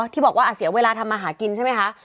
ที่บอกว่าเสียเวลาทำมาหากินใช่ไหมคะ